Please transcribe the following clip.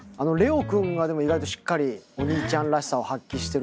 蓮音くんが意外としっかりお兄ちゃんらしさを発揮してるのがね